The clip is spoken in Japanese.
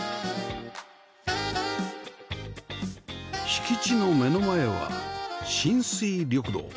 敷地の目の前は親水緑道